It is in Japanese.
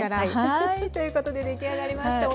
はいということで出来上がりました。